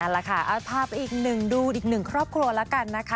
เอาละค่ะพาไปอีกหนึ่งดูอีกหนึ่งครอบครัวแล้วกันนะคะ